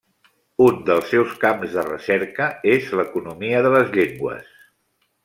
Un dels seus camps de recerca és l'economia de les llengües.